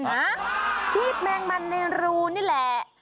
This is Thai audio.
อาชีพแมงมันในรูนี่แหละ